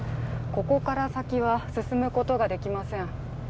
ここから先は進むことができません。